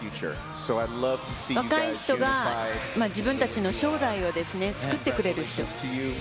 若い人が自分たちの将来を作ってくれる人。